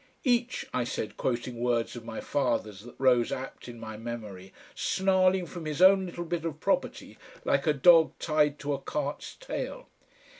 "Each," I said quoting words of my father's that rose apt in my memory, "snarling from his own little bit of property, like a dog tied to a cart's tail."